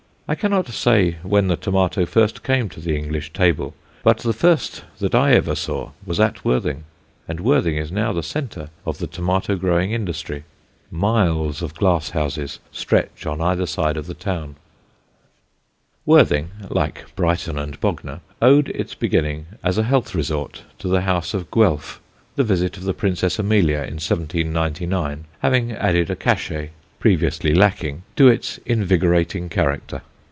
I cannot say when the tomato first came to the English table, but the first that I ever saw was at Worthing, and Worthing is now the centre of the tomato growing industry. Miles of glass houses stretch on either side of the town. Worthing (like Brighton and Bognor) owed its beginning as a health resort to the house of Guelph, the visit of the Princess Amelia in 1799 having added a cachet, previously lacking, to its invigorating character.